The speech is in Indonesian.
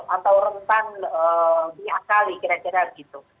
atau rentan diakali kira kira begitu